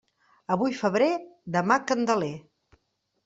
Avui febrer, demà Candeler.